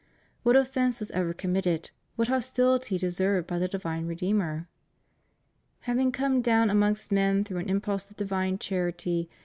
What offence was ever committed, what hostility deserved by the di vine Redeemer? Having come down amongst men through an impulse of divine charity.